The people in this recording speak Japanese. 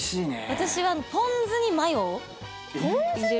私はポン酢にマヨ入れる。